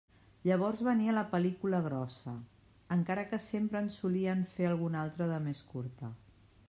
Llavors venia la pel·lícula grossa, encara que sempre en solien fer alguna altra de més curta.